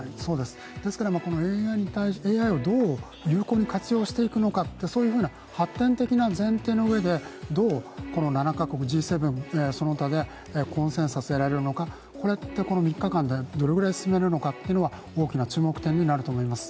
ですからこのＡＩに対してＡＩをどう有効に活用していくのか、そういうふうな発展的な前提のうえでどうこの７か国、Ｇ７その他でコンセンサスを得られるのかこの３日間でどれくらい進められるのかが大きな注目点になると思います。